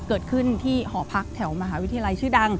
เกิดขึ้นที่หอพักแถวมหาวิทยาลัยชื่อดัง